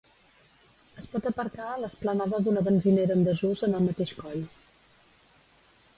Es pot aparcar a l'esplanada d'una benzinera en desús en el mateix coll.